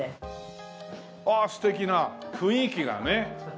ああ素敵な雰囲気がね。